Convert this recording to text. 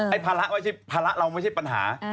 ไอ้ภาระเราไม่ใช่ปัญหา